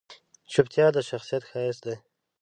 چپتیا، د شخصیت ښایست دی.